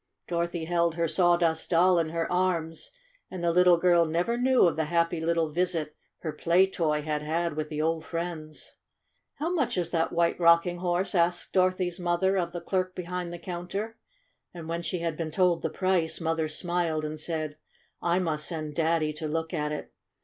Dorothy held her Sawdust Doll in her arms, and the little girl never knew of the happy little visit her play toy had had with the old friends. "How much is this White Rocking Horse?" asked Dorothy's mother of the clerk behind the counter. And when she had been told the price Mother smiled and said: "I must send Daddy to look at it.